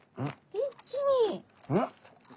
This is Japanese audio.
一気に！